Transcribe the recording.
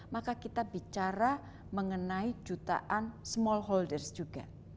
maka kita bicara mengenai jutaan small holders juga